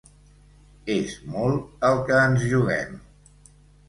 És molt el que ens juguem.